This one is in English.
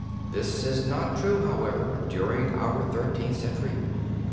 This is not true, however, during our Thirteenth Century.